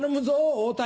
大谷。